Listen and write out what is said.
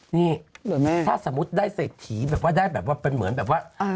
นี่ถ้าสมมุติได้เศรษฐีแบบว่าได้แบบว่าเป็นเหมือนแบบว่า